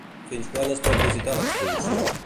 Fins quan es pot visitar l'exposició?